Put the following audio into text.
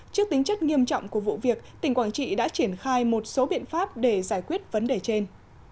trước tính chất nghiêm trọng của vụ việc tỉnh quảng trị đã triển khai một số biện pháp để giải quyết vấn đề trên